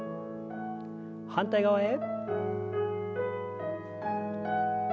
反対側へ。